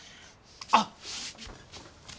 あっ！